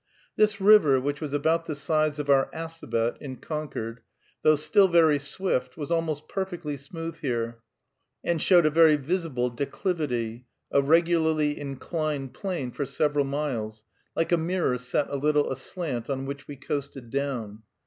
This river, which was about the size of our Assabet (in Concord), though still very swift, was almost perfectly smooth here, and showed a very visible declivity, a regularly inclined plane, for several miles, like a mirror set a little aslant, on which we coasted down.